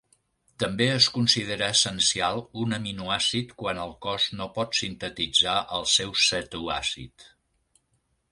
També es considera essencial un aminoàcid quan el cos no pot sintetitzar el seu cetoàcid.